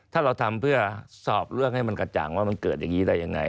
ถ้าเราทำเพื่อสอบเรื่องให้มันกระจ่างว่ามันเกิดอย่างนี้ได้ยังไง